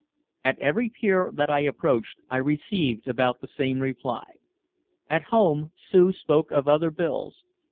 At every pier that I approached I received about the same reply. At home Sue spoke of other bills.